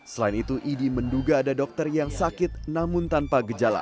selain itu idi menduga ada dokter yang sakit namun tanpa gejala